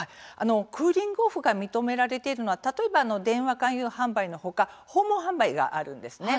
クーリング・オフが認められているのは例えば電話勧誘販売の他訪問販売があるんです。